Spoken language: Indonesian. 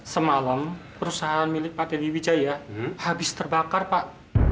semalam perusahaan milik pak deddy wijaya habis terbakar pak